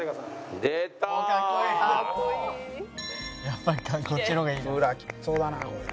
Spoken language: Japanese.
「やっぱりこっちの方がいいな」